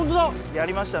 やりましたね。